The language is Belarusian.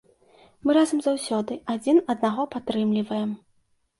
Мы разам заўсёды, адзін аднаго падтрымліваем.